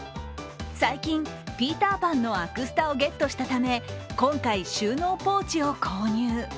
最近、ピーターパンのアクスタをゲットしたため今回収納ポーチを購入。